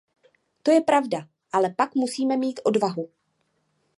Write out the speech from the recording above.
To je pravda, ale pak musíme mít odvahu.